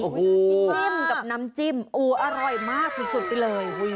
โอ้โฮจิ้มกับน้ำจิ้มอร่อยมากสุดเลย